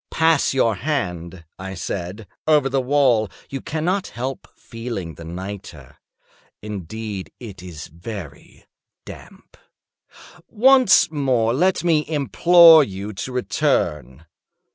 "Pass your hand," I said, "over the wall; you cannot help feeling the nitre. Indeed it is very damp. Once more let me implore you to return.